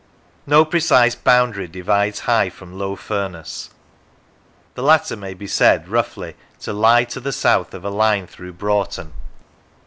No precise boundary divides High from Low Furness. The latter may be said, roughly, to lie to the south of a line through Broughton.